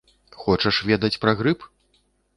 Хочаш ведаць пра грып?